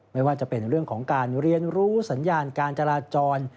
ไม่ว่าจะเป็นเรื่องของการเรียนรู้สัญญาณการจราจร